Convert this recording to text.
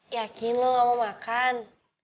yakin lo gak mau makan